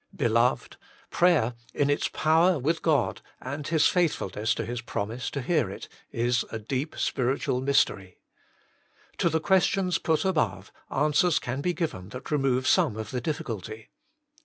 Beloved ! prayer, in its power with God, and His faithfulness to His promise to hear it, is a deep spiritual mystery. To the questions put above answers can be given that remove some of the diffi culty.